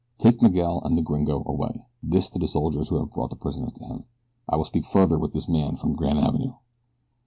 Take Miguel and the gringo away" this to the soldiers who had brought the prisoners to him "I will speak further with this man from Granavenoo."